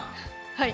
はい。